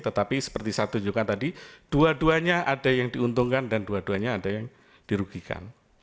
tetapi seperti saya tunjukkan tadi dua duanya ada yang diuntungkan dan dua duanya ada yang dirugikan